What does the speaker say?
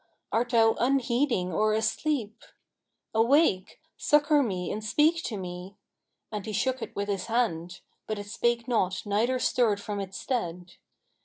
Art thou unheeding or asleep?[FN#523] Awake; succour me and speak to me!' And he shook it with his hand; but it spake not neither stirred from its stead.